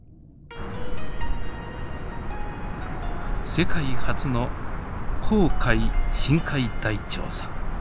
世界初の紅海深海大調査。